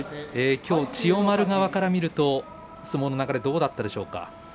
きょう千代丸側から見ると相撲の流れどうだったでしょうか。